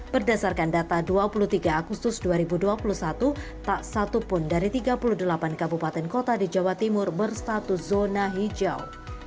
berdasarkan data dua puluh tiga agustus dua ribu dua puluh satu tak satu pun dari tiga puluh delapan kabupaten kota di jawa timur berstatus zona hijau